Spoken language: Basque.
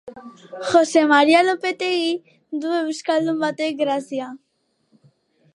Jose Maria Lopetegi du euskaldun batek grazia.